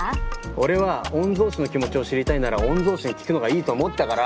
俺は御曹司の気持ちを知りたいなら御曹司に聞くのがいいと思ったから。